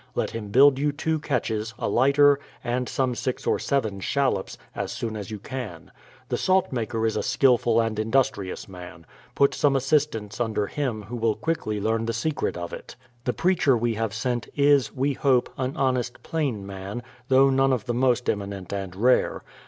Let him build you two catches, a lighter, and some six or seven shallops, as soon as you can. The salt maker is a skilful and industrious man. Put some assistants under him who will quickly learn the secret of it. The preacher we have sent is, we hope, an honest plain man, though none of the most eminent and rare.